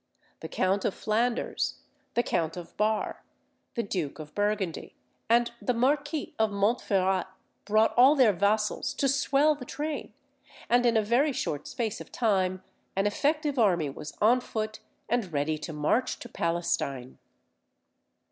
The Count of Flanders, the Count of Bar, the Duke of Burgundy, and the Marquis of Montferrat, brought all their vassals to swell the train, and in a very short space of time an effective army was on foot and ready to march to Palestine.